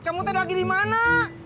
kamu tadi lagi dimana